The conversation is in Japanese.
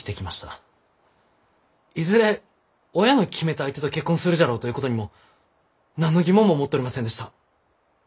いずれ親の決めた相手と結婚するじゃろうということにも何の疑問も持っとりませんでした。